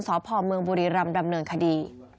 สพเมืองบุรีรำดำเนินคดี